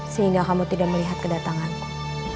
sehingga kamu tidak melihat kedatanganku